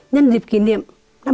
nhân dịp kỷ niệm năm mươi năm